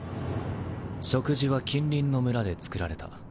食事は近隣の村で作られた。